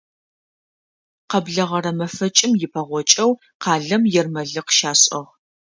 Къэблэгъэрэ мэфэкӀым ипэгъокӀэу къалэм ермэлыкъ щашӀыгъ.